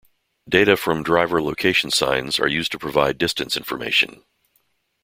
Data from driver location signs are used to provide distance information.